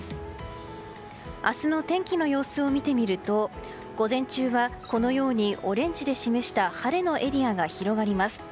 明日の天気の様子を見てみると午前中は、このようにオレンジで示した晴れのエリアが広がります。